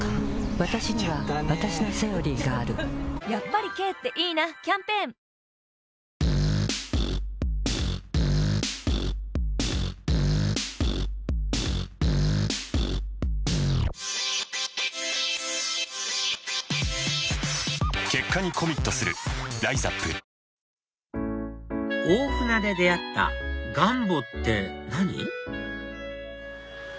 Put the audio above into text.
わたしにはわたしの「セオリー」があるやっぱり軽っていいなキャンペーン大船で出会ったガンボって何？